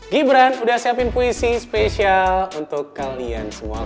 gibran udah siapin puisi spesial untuk kalian semua